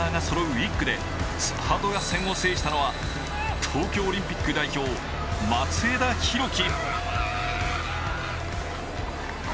１区でスパート合戦を制したのは東京オリンピック代表、松枝博輝。